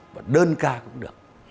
và đơn ca cũng được